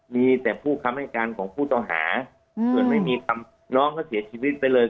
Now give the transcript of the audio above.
มีแต่ผู้คำให้การของผู้ต้องหาส่วนไม่มีคำน้องก็เสียชีวิตไปเลย